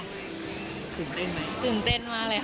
ตื่นเต้นไหมตื่นเต้นมากเลยค่ะ